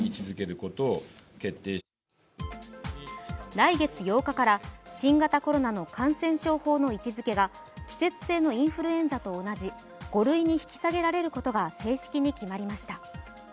来月８日から新型コロナの感染法上の位置づけが季節性のインフルエンザと同じ５類に引き下げられることが正式に決まりました。